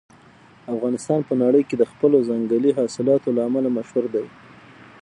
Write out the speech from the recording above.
افغانستان په نړۍ کې د خپلو ځنګلي حاصلاتو له امله مشهور دی.